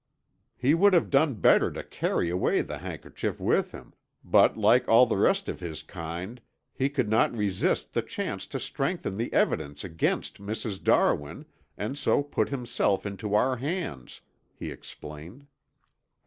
He would have done better to carry away the handkerchief with him, but like all the rest of his kind, he could not resist the chance to strengthen the evidence against Mrs. Darwin and so put himself into our hands," he explained.